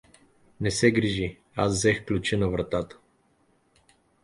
— Не се грижи, аз зех ключа на вратата.